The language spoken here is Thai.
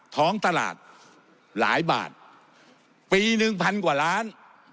ท้องตลาดหลายบาทปีหนึ่งพันกว่าล้าน